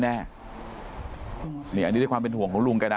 นี่อันนี้ได้ความเป็นห่วงของลุงไก่นะ